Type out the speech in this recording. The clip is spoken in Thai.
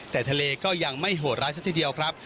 แต่ทะเลก็ยังไม่โหดร้ายซะทีเดียวครับ